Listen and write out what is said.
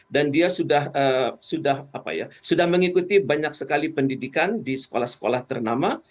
dan dia sudah mengikuti banyak sekali pendidikan di sekolah sekolah ternama